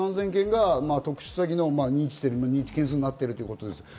特殊詐欺の認知件数になっているということです。